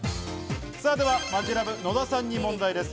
では、マヂラブ・野田さんに問題です。